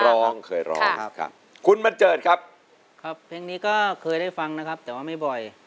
ร้องเคยร้องครับคุณบันเจิดครับครับเพลงนี้ก็เคยได้ฟังนะครับแต่ว่าไม่บ่อย